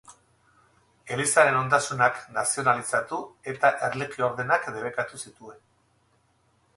Elizaren ondasunak nazionalizatu eta erlijio ordenak debekatu zituen.